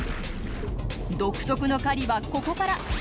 独特の狩りはここから。